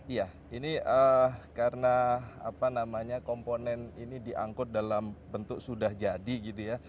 iya ini karena apa namanya komponen ini diangkut dalam bentuk sudah jadi gitu ya